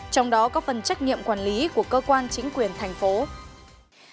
trong đó có phần trách nhiệm quản lý của cơ quan chính quyền tp hcm